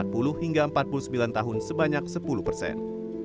lalu di posisi kedua terjadi pada usia tiga puluh sembilan tahun sebanyak sepuluh persen